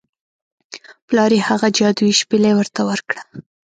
پلار یې هغه جادويي شپیلۍ ورته ورکړه.